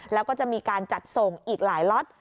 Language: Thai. แล้วก็จะมีการจัดส่งอีกหลายล็อต